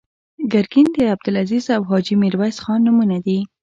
ګرګین د عبدالعزیز او حاجي میرویس خان نومونه دي.